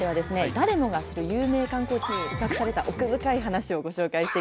誰もが知る有名観光地に隠された奥深い話をご紹介していきたいと思います。